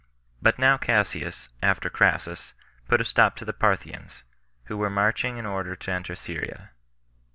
But now Cassius, after Crassus, put a stop to the Parthians, who were marching in order to enter Syria.